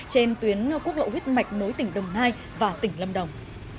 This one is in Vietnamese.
trên tuyến quốc lộ huyết mạch nối tỉnh đồng nai và tỉnh lâm đồng